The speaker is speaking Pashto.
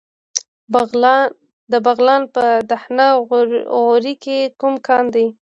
د بغلان په دهنه غوري کې کوم کان دی؟